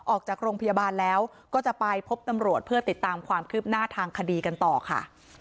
ออกจากโรงพยาบาลแล้วก็จะไปพบตำรวจเพื่อติดตามความคืบหน้าทางคดีกันต่อค่ะ